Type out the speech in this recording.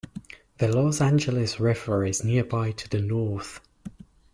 The Los Angeles River is nearby to the north.